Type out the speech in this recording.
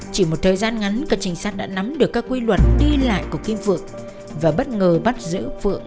chỉ một thời gian ngắn các trinh sát đã nắm được các quy luật đi lại của kim phượng và bất ngờ bắt giữ phượng